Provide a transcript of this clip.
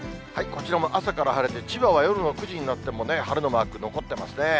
こちらも朝から晴れて、千葉は夜の９時になっても晴れのマーク残ってますね。